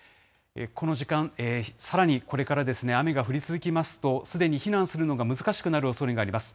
この時間、さらにこれから雨が降り続きますと、すでに避難するのが難しくなるおそれがあります。